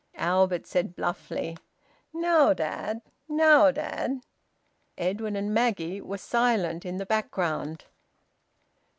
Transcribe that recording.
Albert said bluffly, "Now, dad! Now, dad!" Edwin and Maggie were silent in the background.